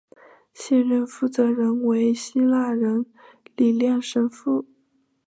现任负责人为希腊人李亮神父。